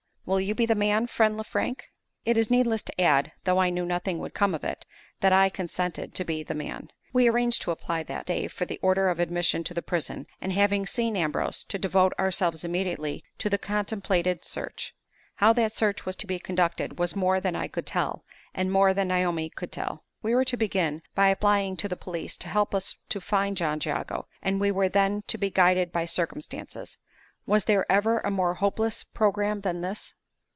Will you be the man, friend Lefrank?" It is needless to add (though I knew nothing would come of it) that I consented to be the man. We arranged to apply that day for the order of admission to the prison, and, having seen Ambrose, to devote ourselves immediately to the contemplated search. How that search was to be conducted was more than I could tell, and more than Naomi could tell. We were to begin by applying to the police to help us to find John Jago, and we were then to be guided by circumstances. Was there ever a more hopeless programme than this?